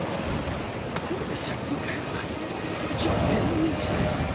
これで借金返せば女郎屋に身売りしないで済む。